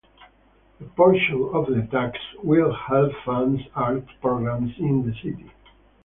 A portion of the tax will help fund arts programs in the city.